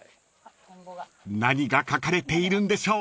［何が書かれているんでしょう］